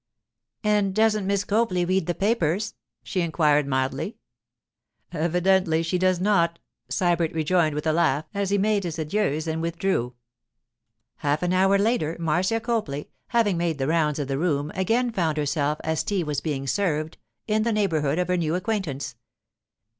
'And doesn't Miss Copley read the papers?' she inquired mildly. 'Evidently she does not,' Sybert rejoined with a laugh as he made his adieus and withdrew. Half an hour later, Marcia Copley, having made the rounds of the room, again found herself, as tea was being served, in the neighbourhood of her new acquaintance.